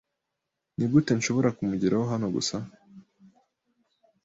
Nigute nshobora kumugeraho hano gusa